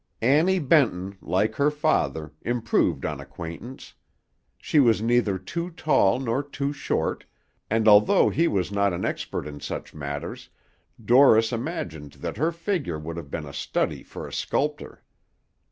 Annie Benton, like her father, improved on acquaintance. She was neither too tall nor too short, and, although he was not an expert in such matters, Dorris imagined that her figure would have been a study for a sculptor.